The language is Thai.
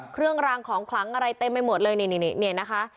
เครื่องรางของขลังอะไรเต็มไปหมดเลยนี่นะคะ